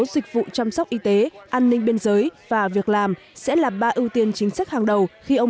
dịch vụ chăm sóc y tế an ninh biên giới và việc làm sẽ là ba ưu tiên chính sách hàng đầu khi ông